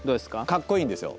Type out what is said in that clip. かっこいいんですよ！